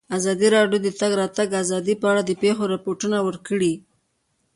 ازادي راډیو د د تګ راتګ ازادي په اړه د پېښو رپوټونه ورکړي.